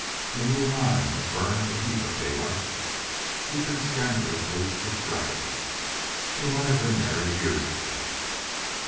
And you and I have burned a heap of daylight. We've been scandalously extravagant. We might have been married years ago."